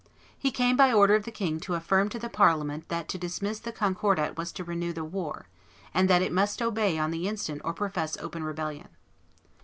He came by order of the king to affirm to the Parliament that to dismiss the Concordat was to renew the war, and that it must obey on the instant or profess open rebellion.